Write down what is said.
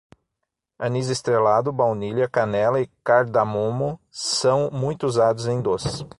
Anis-estrelado, baunilha, canela e cardamomo são muito usados em doces